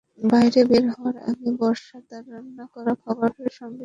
বাইরে বের হওয়ার আগে বর্ষা তাঁর রান্না করা খাবার সঙ্গে দিয়ে দেন।